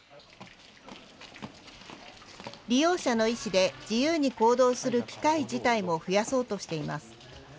利用者の意思で自由に行動する機会自体も増やそうとしています。